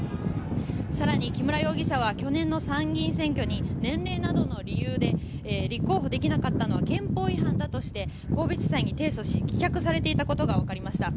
更に、木村容疑者は去年の参議院選挙に年齢などの理由で立候補できなかったのは憲法違反だとして神戸地裁に提訴し棄却されていたことがわかりました。